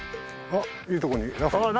あっいいとこにラフ。